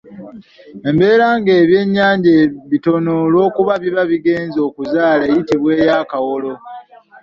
Embeera nga ebyennyanja bitono olwokuba biba bigenze okuzaala eyitibwa ya kawolo.